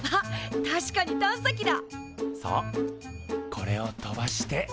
これを飛ばして。